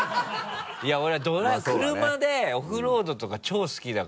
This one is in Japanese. いや俺車でオフロードとか超好きだから。